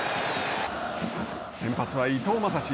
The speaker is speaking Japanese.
先発は伊藤将司。